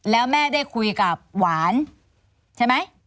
แล้วแม่ได้คุยกับหวานใช่ไหม